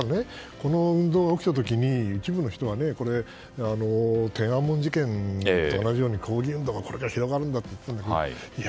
この運動が起きた時に一部の人は天安門事件と同じように抗議運動がこれから広がるんだろうとか。